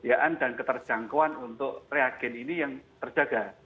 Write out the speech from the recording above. jadi kita harus memiliki perjangkauan untuk reagen ini yang terjaga